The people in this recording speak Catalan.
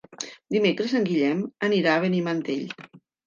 Dimecres en Guillem anirà a Benimantell.